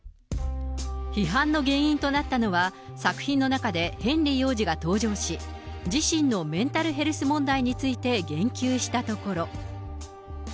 批判の原因となったのは、作品の中でヘンリー王子が登場し、自身のメンタルヘルス問題について言及したところ。